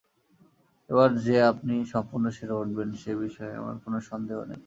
এবার যে আপনি সম্পূর্ণ সেরে উঠবেন, সে বিষয়ে আমার কোন সন্দেহ নেই।